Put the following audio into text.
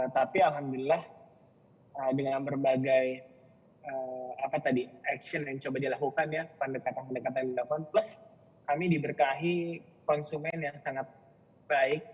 tapi alhamdulillah dengan berbagai action yang coba dilakukan ya pendekatan pendekatan yang dilakukan plus kami diberkahi konsumen yang sangat baik